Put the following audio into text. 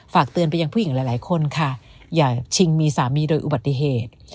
ฝากเตือนไปยังผู้หญิงหลายคนค่ะอย่าชิงมีสามีโดยอุบัติเหตุ